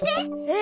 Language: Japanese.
え？